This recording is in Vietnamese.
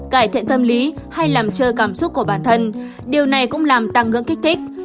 cải thiện tâm lý hay làm trơ cảm xúc của bản thân điều này cũng làm tăng ngưỡng kích thích